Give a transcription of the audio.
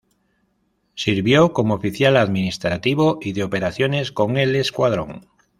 Sirvió como Oficial Administrativo y de Operaciones con el escuadrón.